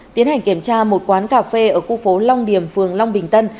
tiến hành kiểm tra một quán cà phê ở khu phố long điểm phường long bình tân